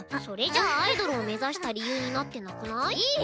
それじゃあアイドルを目指した理由になってなくない？